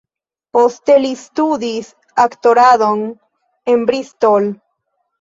Poste li studis aktoradon en Bristol.